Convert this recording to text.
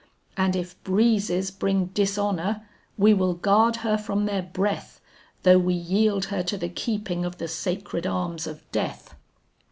"And if breezes bring dishonor, we will guard her from their breath, Though we yield her to the keeping of the sacred arms of Death."